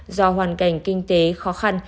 do hoàn cảnh kinh tế khó khăn